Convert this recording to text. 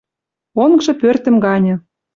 Онгжы пӧртӹм ганьы.